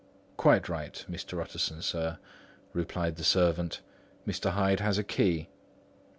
"Quite right, Mr. Utterson, sir," replied the servant. "Mr. Hyde has a key."